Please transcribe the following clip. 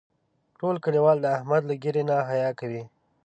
ټول کلیوال د احمد له ږیرې نه حیا کوي.